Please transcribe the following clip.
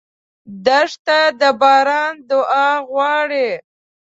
دښته د باران دعا غواړي.